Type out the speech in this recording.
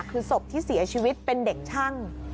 คือศพที่เสียชีวิตเป็นเด็กช่าง